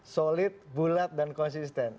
solid bulat dan konsisten